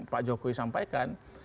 pak jokowi sampaikan